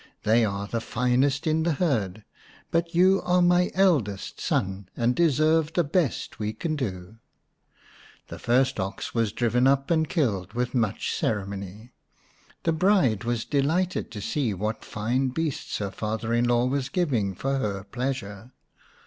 " They are the finest in the herd, but you are my eldest son, and deserve the best we can do." The first ox was driven up and killed with much ceremony ; the bride was delighted to see what fine beasts her father in law was giving for her pleasure.